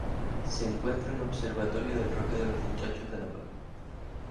Se encuentra en Observatorio del Roque de los Muchachos de La Palma.